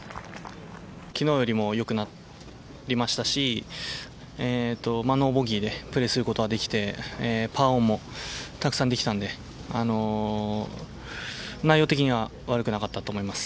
昨日よりも良くなりましたし、ノーボギーでプレーすることができてパーオンもたくさんできたので内容的には悪くなかったと思います。